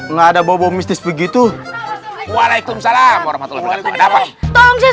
enggak ada bobo mistis begitu waalaikumsalam warahmatullah walaikum salam tolong saya